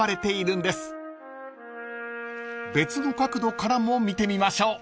［別の角度からも見てみましょう］